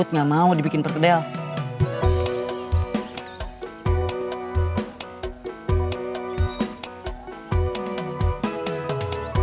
nak dikeavoin kalau yhangnya si siopi